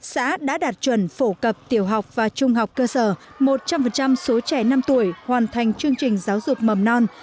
xã đã đạt chuẩn phổ cập tiểu học và trung học cơ sở một trăm linh số trẻ năm tuổi hoàn thành chương trình giáo dục mầm non